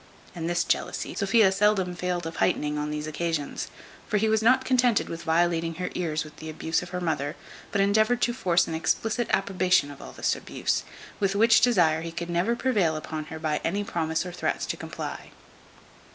And this jealousy Sophia seldom failed of heightening on these occasions; for he was not contented with violating her ears with the abuse of her mother, but endeavoured to force an explicit approbation of all this abuse; with which desire he never could prevail upon her by any promise or threats to comply.